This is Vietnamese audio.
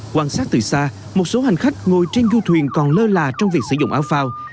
quan sát từ xa một số hành khách ngồi trên du thuyền còn lơ là trong việc sử dụng áo phao